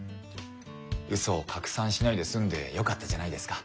ウソを拡散しないで済んでよかったじゃないですか。